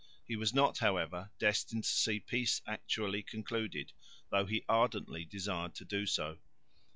He was not, however, destined to see peace actually concluded, though he ardently desired to do so.